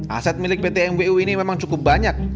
aset milik pt mwu ini memang cukup banyak